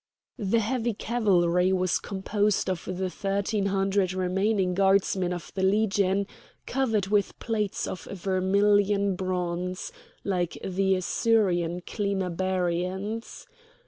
The heavy cavalry was composed of the nineteen hundred remaining guardsmen of the Legion, covered with plates of vermilion bronze, like the Assyrian Clinabarians.